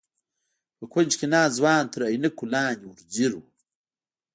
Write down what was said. په کونج کې ناست ځوان تر عينکو لاندې ور ځير و.